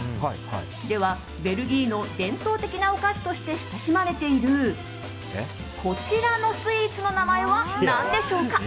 ではベルギーの伝統的なお菓子として親しまれているこちらのスイーツの名前は何でしょうか？